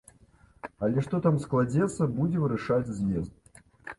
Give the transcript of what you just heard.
Але што там як складзецца, будзе вырашаць з'езд.